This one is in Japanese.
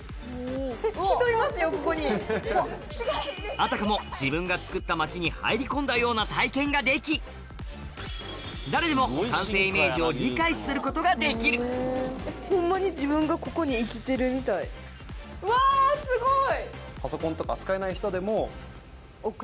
あたかも自分がつくった街に入り込んだような体験ができ誰でも完成イメージを理解することができるうわすごい！